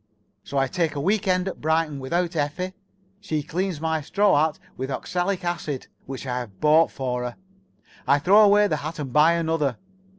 So I take a week end at Brighton without Effie. She cleans my straw hat with oxalic acid, which I have bought for her. I throw away the hat and buy another.